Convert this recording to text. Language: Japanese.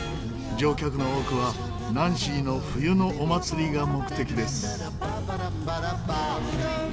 乗客の多くはナンシーの冬のお祭りが目的です。